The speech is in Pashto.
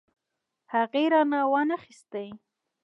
هغې رانه وانه خيستې.